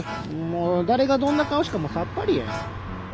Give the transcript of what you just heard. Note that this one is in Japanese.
もう誰がどんな顔してさっぱりやん。